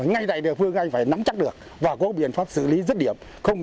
ngay đây phương anh phải nắm chắc được và có biện pháp xử lý rứt điểm